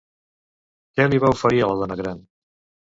Què li va oferir a la dona gran?